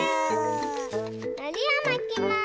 のりをまきます。